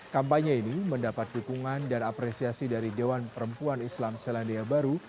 kampanye ini mendapat dukungan dan apresiasi dari dewan perempuan islam selandia baru